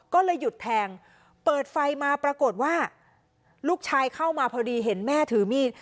ก็เลยหยุดแทงเปิดไฟมาปรากฏว่าลูกชายเข้ามาพอดีเห็นแม่ถือมีด